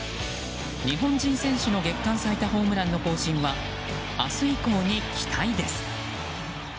日本人選手の月間最多ホームランの更新は明日以降に期待です。